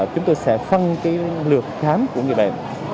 chúng tôi sẽ phân lược khám của người bệnh